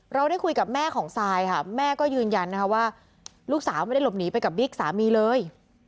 เราได้คุยกับแม่ของซายค่ะแม่ก็ยืนยันนะคะว่าลูกสาวไม่ได้หลบหนีไปกับบิ๊กสามีเลย